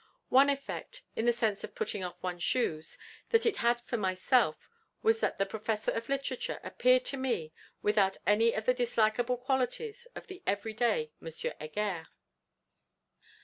One effect, in the sense of 'putting off one's shoes,' that it had for myself was that the Professor of Literature appeared to me without any of the dislikable qualities of the everyday M. Heger.